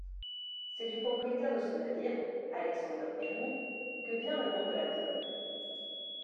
C'est du propriétaire de ce navire, Alexander Birnie, que vient le nom de l'atoll.